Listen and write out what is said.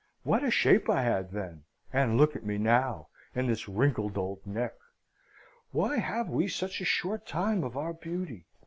What a shape I had then and look at me now, and this wrinkled old neck! Why have we such a short time of our beauty?